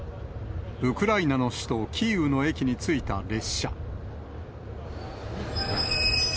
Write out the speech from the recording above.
ウクライナの首都キーウの駅に着いた列車。